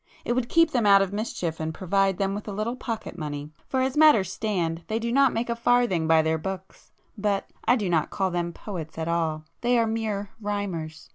It would keep them out of mischief and provide them with a little pocket money, for as matters stand they do not make a farthing by their books. But I do not call them 'poets' at all,—they are mere rhymers.